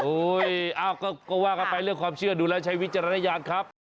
ว่ากันไปเรื่องความเชื่อดูแล้วใช้วิจารณญาณครับ